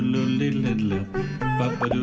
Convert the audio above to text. ลุลิคลับ